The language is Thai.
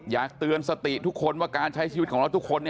อยากเตือนสติทุกคนว่าการใช้ชีวิตของเราทุกคน